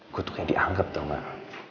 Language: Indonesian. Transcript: gua tukang dianggap tau nggak